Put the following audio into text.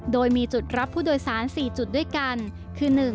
โดยมีจุดรับผู้โดยสาร๔จุดด้วยกันคือ